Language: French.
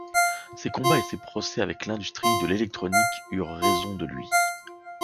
Ses combats et ses procès avec l'industrie de l'électronique eurent raison de lui.